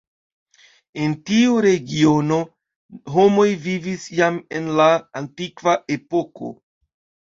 En tiu regiono homoj vivis jam en la antikva epoko.